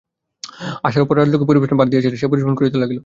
আশার উপর রাজলক্ষ্মী পরিবেশনের ভার দিয়াছিলেন, সে পরিবেশন করিতে লাগিল।